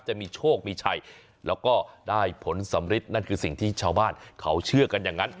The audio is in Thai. จะมีโชคมีชัยแล้วก็ได้ผลสำริดนั่นคือสิ่งที่ชาวบ้านเขาเชื่อกันอย่างนั้น